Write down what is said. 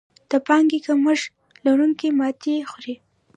د پانګې کمښت لرونکي ماتې خوري.